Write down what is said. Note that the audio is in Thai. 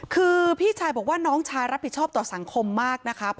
คือพี่ชายบอกว่าน้องชายรับผิดชอบต่อสังคมมากนะคะ